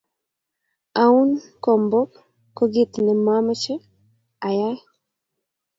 a un kombok ko kit ne machame a aye